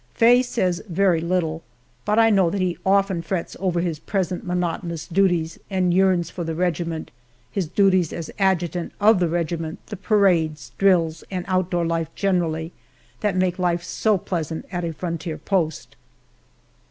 Faye says very little, but I know that he often frets over his present monotonous duties and yearns for the regiment, his duties as adjutant of the regiment, the parades, drills, and outdoor life generally, that make life so pleasant at a frontier post.